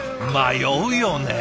迷うよね